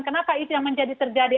kenapa itu yang menjadi terjadi